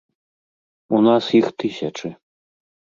У нас іх тысячы.